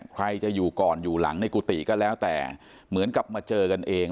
ใครจะอยู่ก่อนอยู่หลังในกุฏิก็แล้วแต่เหมือนกับมาเจอกันเอง